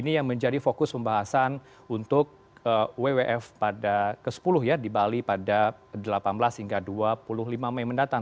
ini yang menjadi fokus pembahasan untuk wwf pada ke sepuluh ya di bali pada delapan belas hingga dua puluh lima mei mendatang